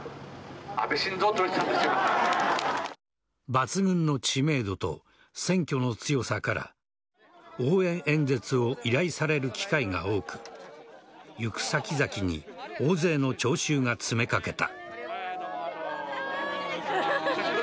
抜群の知名度と選挙の強さから応援演説を依頼される機会が多く行く先々に大勢の聴衆が詰め掛けた。